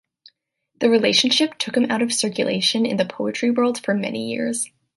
The relationship took him out of circulation in the poetry world for many years.